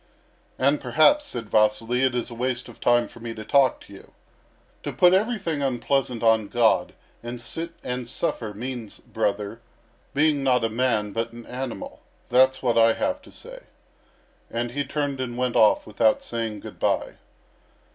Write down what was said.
"And perhaps," said Vasily, "it is waste of time for me to talk to you. To put everything unpleasant on God, and sit and suffer, means, brother, being not a man but an animal. That's what I have to say." And he turned and went off without saying good bye.